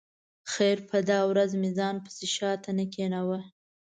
خیر په دا ورځ مې ځان پسې شا ته کېناوه.